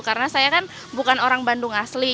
karena saya bukan orang bandung asli